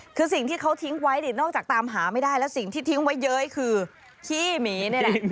ใช่คึณสิ่งที่เค้าทิ้งไว้นอกจากตามหาไม่ได้แล้วสิ่งที่ทิ้งไว้เย้ยคือขี้หมี